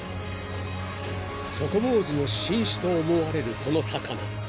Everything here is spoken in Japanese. ［ソコボウズの新種と思われるこの魚］